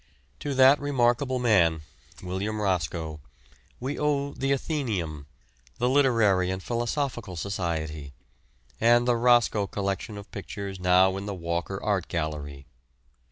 To that remarkable man, William Roscoe, we owe the Athenæum, the Literary and Philosophical Society, and the Roscoe collection of pictures now in the Walker Art Gallery.